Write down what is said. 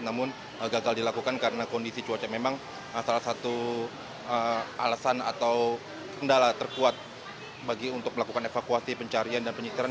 namun gagal dilakukan karena kondisi cuaca memang salah satu alasan atau kendala terkuat bagi untuk melakukan evakuasi pencarian dan penyisiran